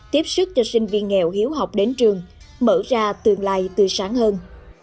tiếp sức cho sinh viên nghèo hiếu học đến trường mở ra tương lai tươi sáng hơn